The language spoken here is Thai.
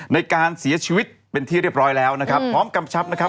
ในการเสียชีวิตเป็นที่เรียบร้อยแล้วนะครับพร้อมกำชับนะครับ